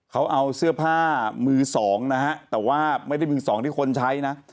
เขาเอาเสื้อผ้ามือสองนะฮะแต่ว่าไม่ได้มือสองที่คนใช้นะ